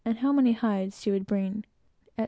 how many hides she would bring, etc.